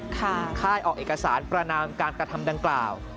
ค่ายออกเอกสารประนามการกระทำดังกล่าว